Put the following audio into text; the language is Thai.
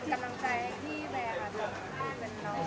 ขอได้เห็นว่าเหมือนว่าเมื่อกี๊คุณแม่อยู่กับฉัน